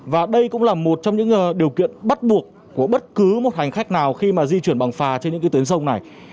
và đây cũng là một trong những điều kiện bắt buộc của bất cứ một hành khách nào khi mà di chuyển bằng phà trên những cái tuyến sông này